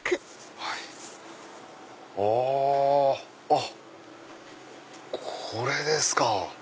あっこれですか。